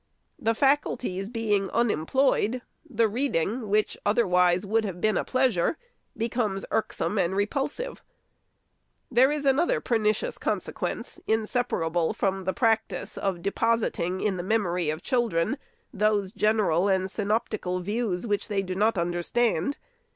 The faculties being unemployed, the reading, which other wise would have been a pleasure, becomes irksome and repulsive. There is another pernicious consequence, in separable from the practice of depositing, in the memory of children, those general and synoptical views which they do not understand.